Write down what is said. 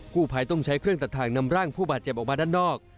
ผู้ภัยต้องใช้เครื่องตัดทางนำร่างผู้บาดเจ็บออกมาด้านนอก